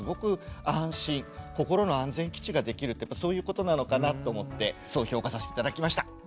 心の安全基地ができるってそういうことなのかなと思ってそう評価させて頂きました。